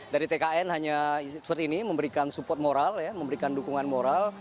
dari tkn hanya seperti ini memberikan support moral ya memberikan dukungan moral